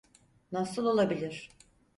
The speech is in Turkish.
Nasıl olabilir?